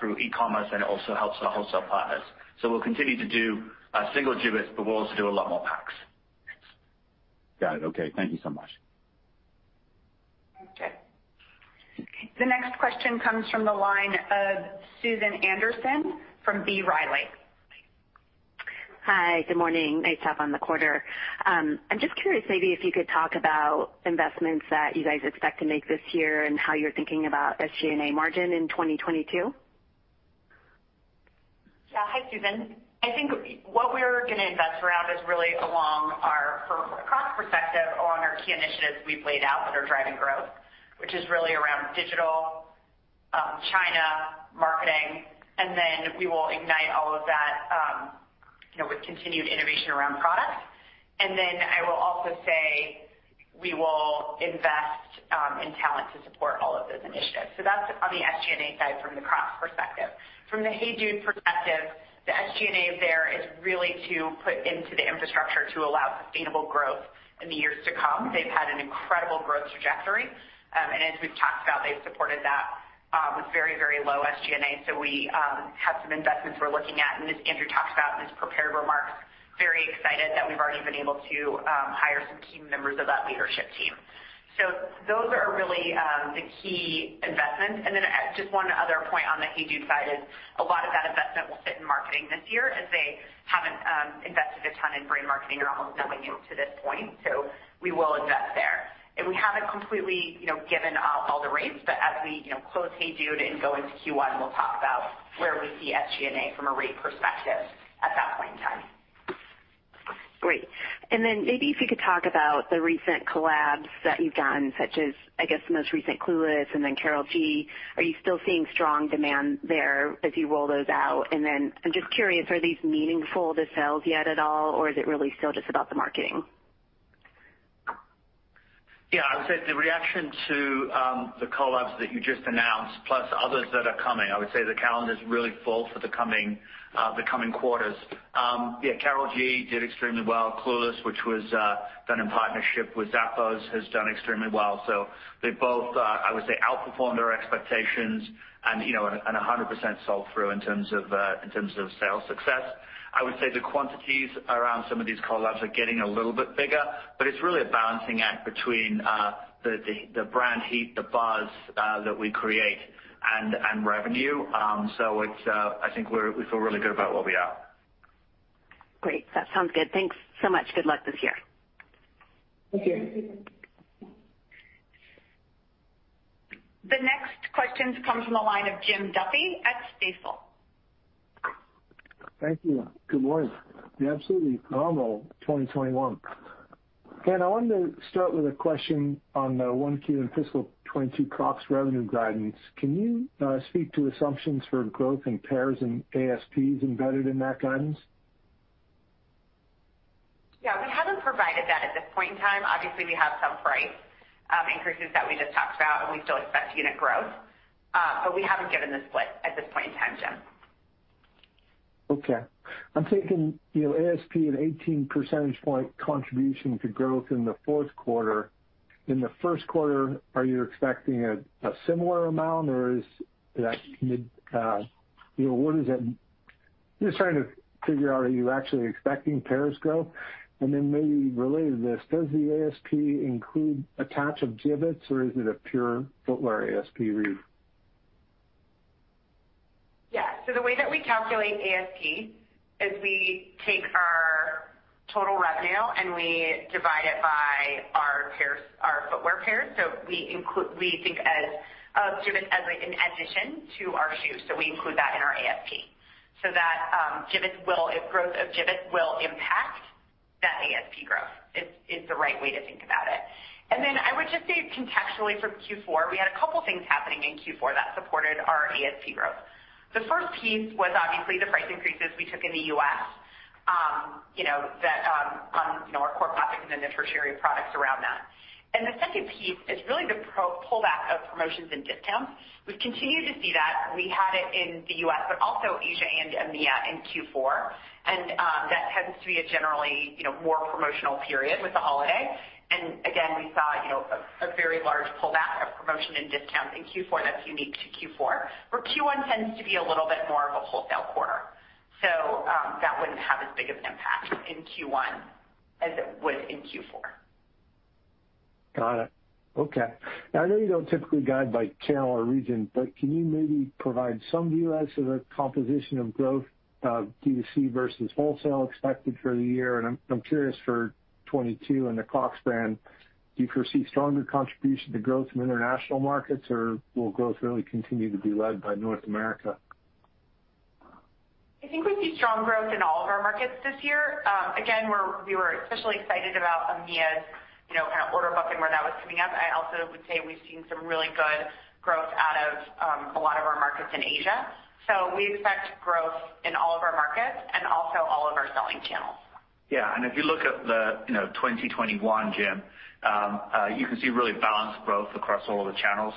through e-commerce, and it also helps our wholesale partners. We'll continue to do single Jibbitz, but we'll also do a lot more packs. Got it. Okay. Thank you so much. Okay. The next question comes from the line of Susan Anderson from B. Riley. Hi. Good morning. Nice talk on the quarter. I'm just curious maybe if you could talk about investments that you guys expect to make this year and how you're thinking about SG&A margin in 2022? Yeah. Hi, Susan. I think what we're gonna invest around is really along our, from a Crocs perspective, along our key initiatives we've laid out that are driving growth, which is really around digital, China, marketing. We will ignite all of that, you know, with continued innovation around products. I will also say we will invest in talent to support all of those initiatives. That's on the SG&A side from the Crocs perspective. From the HEYDUDE perspective, the SG&A there is really to put into the infrastructure to allow sustainable growth in the years to come. They've had an incredible growth trajectory. As we've talked about, they've supported that with very, very low SG&A. We have some investments we're looking at. As Andrew talked about in his prepared remarks, very excited that we've already been able to hire some key members of that leadership team. Those are really the key investments. Just one other point on the HEYDUDE side is a lot of that investment will fit in marketing this year as they haven't invested a ton in brand marketing or almost nothing up to this point. We will invest there. We haven't completely, you know, given out all the rates. As we, you know, close HEYDUDE and go into Q1, we'll talk about where we see SG&A from a rate perspective at that point in time. Great. Maybe if you could talk about the recent collabs that you've done, such as, I guess, the most recent Clueless and then Karol G. Are you still seeing strong demand there as you roll those out? I'm just curious, are these meaningful to sales yet at all, or is it really still just about the marketing? Yeah, I would say the reaction to the collabs that you just announced, plus others that are coming. I would say the calendar is really full for the coming quarters. Yeah, Karol G did extremely well. Clueless, which was done in partnership with Zappos, has done extremely well. They both, I would say, outperformed our expectations and, you know, 100% sold through in terms of sales success. I would say the quantities around some of these collabs are getting a little bit bigger, but it's really a balancing act between the brand heat, the buzz that we create and revenue. I think we feel really good about where we are. Great. That sounds good. Thanks so much. Good luck this year. Thank you. The next question comes from the line of Jim Duffy at Stifel. Thank you. Good morning. Absolutely phenomenal 2021. Anne, I wanted to start with a question on the Q1 in fiscal 2022 Crocs revenue guidance. Can you speak to assumptions for growth in pairs and ASPs embedded in that guidance? Yeah, we haven't provided that at this point in time. Obviously, we have some price increases that we just talked about, and we still expect unit growth, but we haven't given the split at this point in time, Jim. Okay. I'm thinking, you know, ASP at 18 percentage point contribution to growth in the fourth quarter. In the first quarter, are you expecting a similar amount, or is that mid, you know, what is that. Just trying to figure out, are you actually expecting pairs growth? Maybe related to this, does the ASP include attach of Jibbitz or is it a pure footwear ASP read? Yeah. The way that we calculate ASP is we take our total revenue, and we divide it by our pairs, our footwear pairs. We think of Jibbitz as an addition to our shoes. We include that in our ASP. Jibbitz growth will impact that ASP growth is the right way to think about it. I would just say contextually from Q4, we had a couple things happening in Q4 that supported our ASP growth. The first piece was obviously the price increases we took in the US, you know, that on, you know, our core products and then the tertiary products around that. The second piece is really the pullback of promotions and discounts. We've continued to see that. We had it in the US, but also Asia and EMEA in Q4. That tends to be a generally, you know, more promotional period with the holiday. Again, we saw, you know, a very large pullback of promotion and discounts in Q4. That's unique to Q4, where Q1 tends to be a little bit more of a wholesale quarter. That wouldn't have as big of an impact in Q1 as it would in Q4. Got it. Okay. Now, I know you don't typically guide by channel or region, but can you maybe provide some view as to the composition of growth, D2C versus wholesale expected for the year? I'm curious for 2022 and the Crocs brand, do you foresee stronger contribution to growth from international markets, or will growth really continue to be led by North America? I think we see strong growth in all of our markets this year. Again, we were especially excited about EMEA's, you know, kind of order book where that was coming up. I also would say we've seen some really good growth out of, a lot of our markets in Asia. We expect growth in all of our markets and also all of our selling channels. Yeah. If you look at the, you know, 2021, Jim, you can see really balanced growth across all of the channels.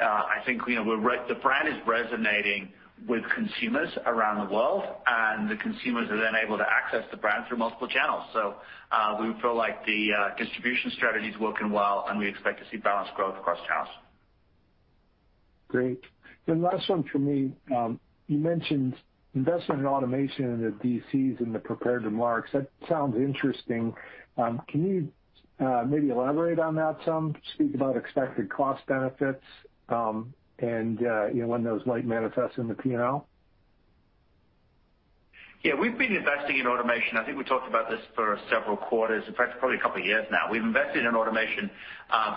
I think, you know, the brand is resonating with consumers around the world, and the consumers are then able to access the brand through multiple channels. We feel like the distribution strategy is working well, and we expect to see balanced growth across channels. Great. Last one from me. You mentioned investment in automation in the DCs in the prepared remarks. That sounds interesting. Can you maybe elaborate on that some? Speak about expected cost benefits, and you know, when those might manifest in the P&L. Yeah, we've been investing in automation. I think we talked about this for several quarters, in fact, probably a couple of years now. We've invested in automation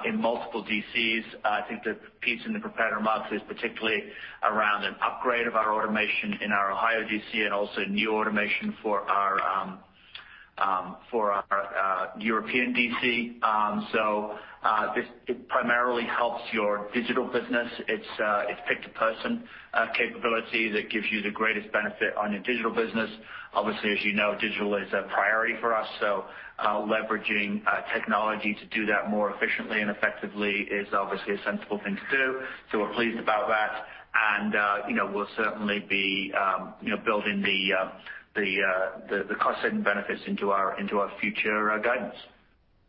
in multiple DCs. I think the piece in the prepared remarks is particularly around an upgrade of our automation in our Ohio DC and also new automation for our European DC. This primarily helps your digital business. It's pick-to-person capability that gives you the greatest benefit on your digital business. Obviously, as you know, digital is a priority for us, so leveraging technology to do that more efficiently and effectively is obviously a sensible thing to do. We're pleased about that. You know, we'll certainly be, you know, building the cost and benefits into our future guidance.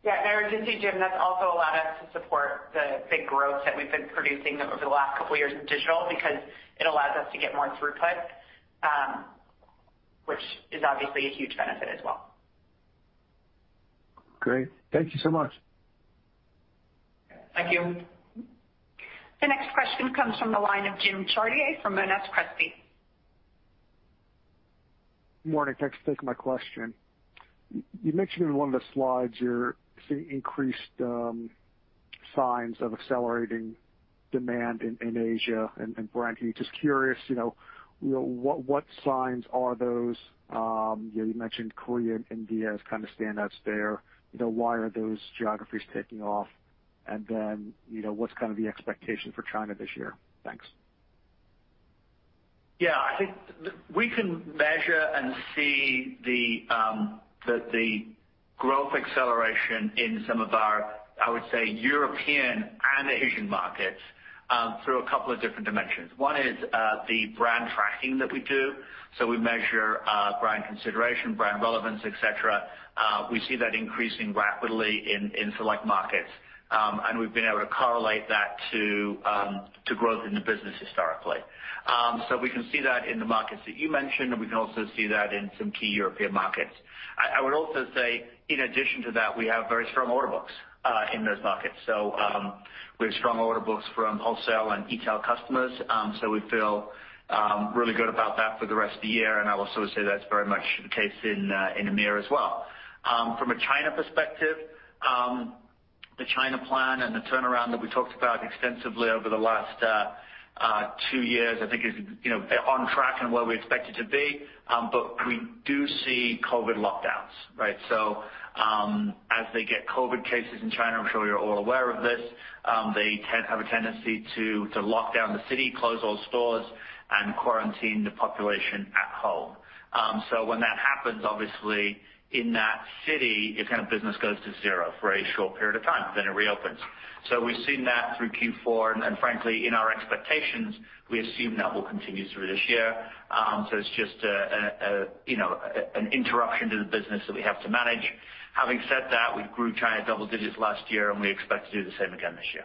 Yeah. I would just say, Jim, that's also allowed us to support the big growth that we've been producing over the last couple of years in digital because it allows us to get more throughput, which is obviously a huge benefit as well. Great. Thank you so much. Thank you. The next question comes from the line of Jim Chartier from Monness, Crespi. Morning. Thanks for taking my question. You mentioned in one of the slides you're seeing increased signs of accelerating demand in Asia and abroad. Just curious, you know, what signs are those? Yeah, you mentioned Korea and India as kind of standouts there. You know, why are those geographies taking off? Then, you know, what's kind of the expectation for China this year? Thanks. Yeah. I think we can measure and see the growth acceleration in some of our, I would say, European and Asian markets through a couple of different dimensions. One is the brand tracking that we do. We measure brand consideration, brand relevance, et cetera. We see that increasing rapidly in select markets. We've been able to correlate that to growth in the business historically. We can see that in the markets that you mentioned, and we can also see that in some key European markets. I would also say in addition to that, we have very strong order books in those markets. We have strong order books from wholesale and e-tail customers. We feel really good about that for the rest of the year, and I will also say that's very much the case in EMEA as well. From a China perspective, the China plan and the turnaround that we talked about extensively over the last two years, I think is, you know, on track and where we expect it to be. We do see COVID lockdowns, right? As they get COVID cases in China, I'm sure you're all aware of this, they have a tendency to lock down the city, close all stores, and quarantine the population at home. When that happens, obviously in that city, it kind of business goes to zero for a short period of time, then it reopens. We've seen that through Q4, and frankly, in our expectations, we assume that will continue through this year. It's just a you know an interruption to the business that we have to manage. Having said that, we grew China double digits last year, and we expect to do the same again this year.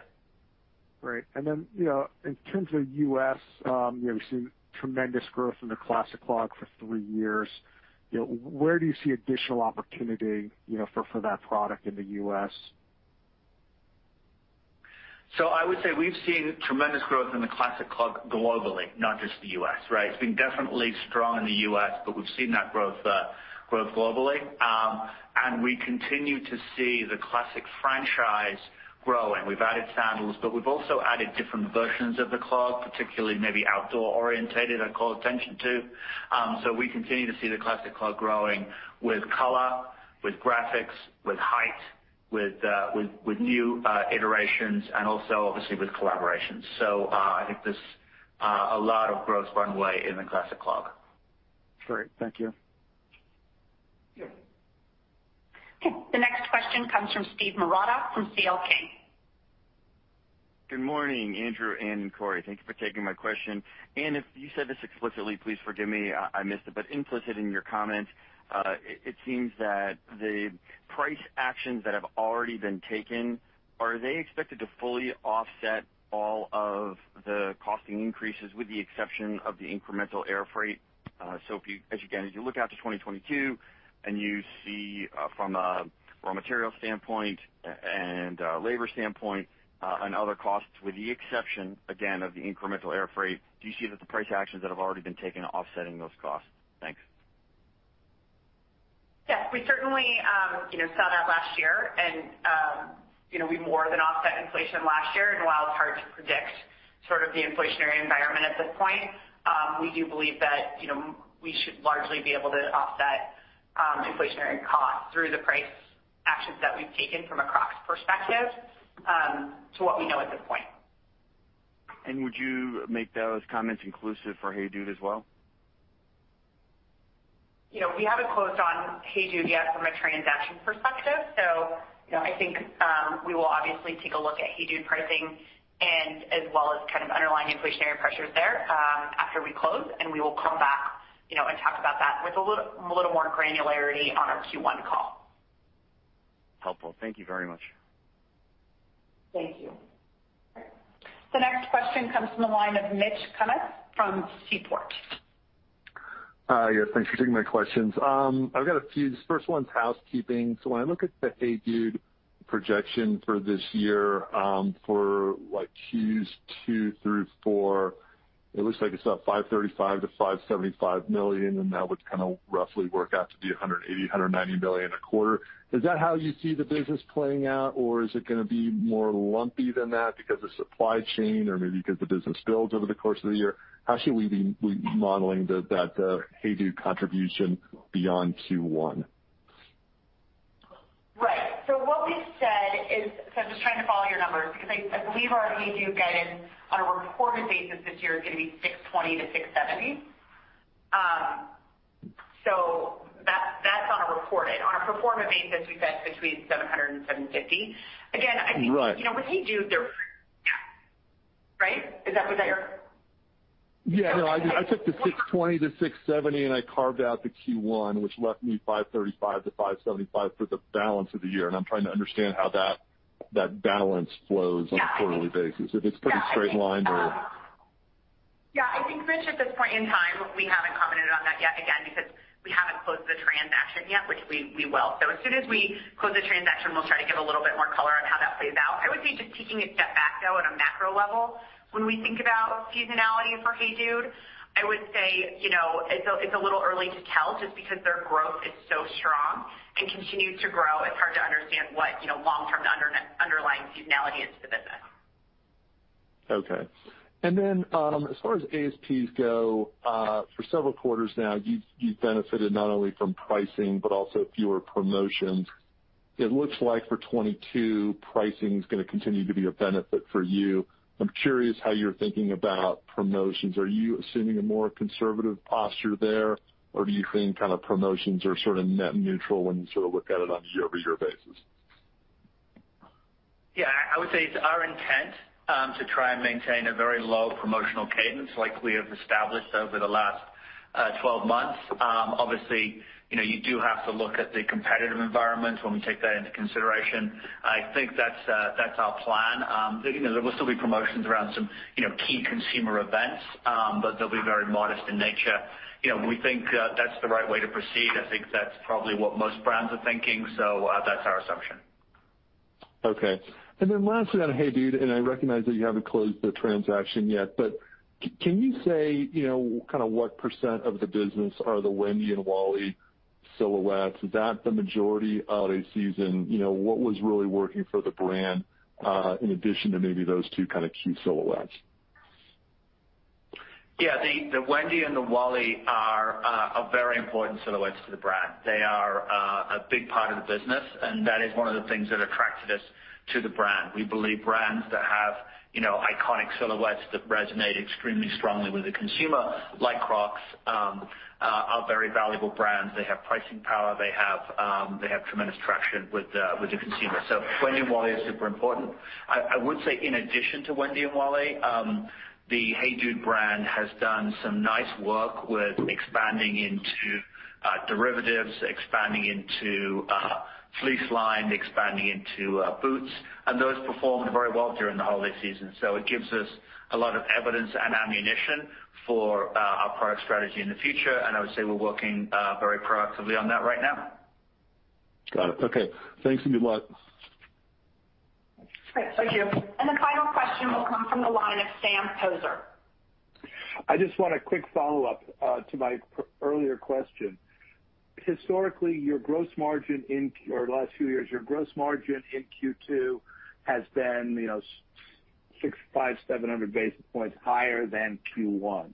Great. You know, in terms of US, you know, we've seen tremendous growth in the Classic Clog for three years. You know, where do you see additional opportunity, you know, for that product in the US? I would say we've seen tremendous growth in the Classic Clog globally, not just the US, right? It's been definitely strong in the US, but we've seen that growth grow globally. We continue to see the Classic franchise growing. We've added sandals, but we've also added different versions of the Clog, particularly maybe outdoor-oriented. I call attention to. We continue to see the Classic Clog growing with color, with graphics, with height, with new iterations and also obviously with collaborations. I think there's a lot of growth runway in the Classic Clog. Great. Thank you. Sure. Okay. The next question comes from Steve Marotta from C.L. King. Good morning, Andrew and Corey. Thank you for taking my question. If you said this explicitly, please forgive me, I missed it, but implicit in your comment, it seems that the price actions that have already been taken are expected to fully offset all of the costing increases with the exception of the incremental air freight? Again, as you look out to 2022 and you see from a raw material standpoint and a labor standpoint and other costs with the exception again of the incremental air freight, do you see that the price actions that have already been taken offsetting those costs? Thanks. Yes, we certainly, you know, saw that last year and, you know, we more than offset inflation last year. While it's hard to predict sort of the inflationary environment at this point, we do believe that, you know, we should largely be able to offset inflationary costs through the price actions that we've taken from a Crocs perspective, to what we know at this point. Would you make those comments inclusive for HEYDUDE as well? You know, we haven't closed on HEYDUDE yet from a transaction perspective. You know, I think we will obviously take a look at HEYDUDE pricing and as well as kind of underlying inflationary pressures there, after we close, and we will come back, you know, and talk about that with a little more granularity on our Q1 call. Helpful. Thank you very much. Thank you. The next question comes from the line of Mitch Kummetz from Seaport. Hi. Yes, thanks for taking my questions. I've got a few. This first one's housekeeping. When I look at the HEYDUDE projection for this year, for like Q2 through Q4, it looks like it's up $535 million-$575 million, and that would kinda roughly work out to be $180 million-$190 million a quarter. Is that how you see the business playing out, or is it gonna be more lumpy than that because of supply chain or maybe because the business builds over the course of the year? How should we be modeling that HEYDUDE contribution beyond Q1? Right. What we've said is. I'm just trying to follow your numbers because I believe our HEYDUDE guidance on a reported basis this year is going to be $620 million-$670 million. That's on a reported basis. On a constant currency basis, we said between $700 million and $750 million. Again, I think. Right. You know, with HEYDUDE, yeah. Right? Is that what you're Yeah. No, I took the $620 million-$670 million, and I carved out the Q1, which left me $535 million-$575 million for the balance of the year. I'm trying to understand how that balance flows. On a quarterly basis, if it's pretty straight line or. Yeah, I think, Mitch, at this point in time, we haven't commented on that yet, again, because we haven't closed the transaction yet, which we will. As soon as we close the transaction, we'll try to give a little bit more color on how that plays out. I would say just taking a step back, though, at a macro level, when we think about seasonality for HEYDUDE, I would say, you know, it's a, it's a little early to tell just because their growth is so strong and continues to grow. It's hard to understand what, you know, long-term underlying seasonality is to the business. Okay. As far as ASPs go, for several quarters now, you've benefited not only from pricing but also fewer promotions. It looks like for 2022 pricing is gonna continue to be a benefit for you. I'm curious how you're thinking about promotions. Are you assuming a more conservative posture there, or do you think kind of promotions are sort of net neutral when you sort of look at it on a year-over-year basis? Yeah, I would say it's our intent to try and maintain a very low promotional cadence like we have established over the last 12 months. Obviously, you know, you do have to look at the competitive environment when we take that into consideration. I think that's our plan. You know, there will still be promotions around some you know key consumer events, but they'll be very modest in nature. You know, we think that's the right way to proceed. I think that's probably what most brands are thinking, so that's our assumption. Okay. Lastly on HEYDUDE, I recognize that you haven't closed the transaction yet, but can you say, you know, kind of what percent of the business are the Wendy and Wally silhouettes? Is that the majority of a season? You know, what was really working for the brand in addition to maybe those two kind of key silhouettes? Yeah. The Wendy and the Wally are a very important silhouettes to the brand. They are a big part of the business, and that is one of the things that attracted us to the brand. We believe brands that have you know iconic silhouettes that resonate extremely strongly with the consumer, like Crocs, are very valuable brands. They have pricing power. They have tremendous traction with the consumer. Wendy and Wally is super important. I would say in addition to Wendy and Wally, the HEYDUDE brand has done some nice work with expanding into derivatives, expanding into fleece lined, expanding into boots, and those performed very well during the holiday season. It gives us a lot of evidence and ammunition for our product strategy in the future, and I would say we're working very proactively on that right now. Got it. Okay. Thanks and good luck. Great. Thank you. The final question will come from the line of Sam Poser. I just want a quick follow-up to my earlier question. Historically, or the last few years, your gross margin in Q2 has been 600, 500, 700 basis points higher than Q1.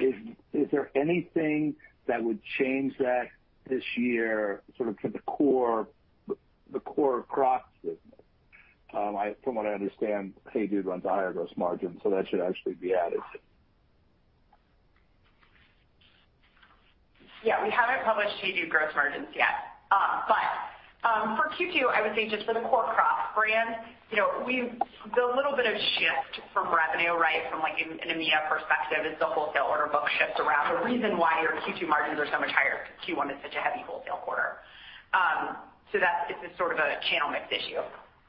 Is there anything that would change that this year, sort of from the core Crocs business? From what I understand, HEYDUDE runs a higher gross margin, so that should actually be additive. Yeah. We haven't published HEYDUDE gross margins yet. For Q2, I would say just for the core Crocs brand, you know, we've the little bit of shift from revenue, right, from like in an EMEA perspective is the wholesale order book shifts around. The reason why your Q2 margins are so much higher because Q1 is such a heavy wholesale quarter. That it's a sort of a channel mix issue.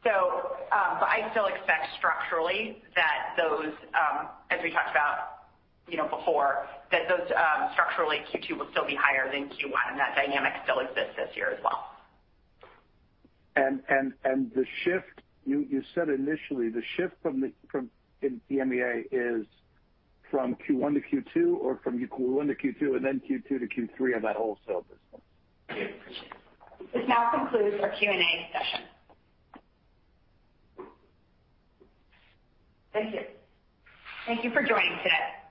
I still expect structurally that those, as we talked about, you know, before, structurally Q2 will still be higher than Q1, and that dynamic still exists this year as well. You said initially the shift from in the EMEA is from Q1 to Q2 and then Q2 to Q3 on that wholesale business? Thank you. This now concludes our Q&A session. Thank you. Thank you for joining today.